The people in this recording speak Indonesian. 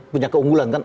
punya keunggulan kan